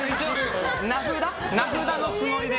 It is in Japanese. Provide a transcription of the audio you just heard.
名札のつもりで。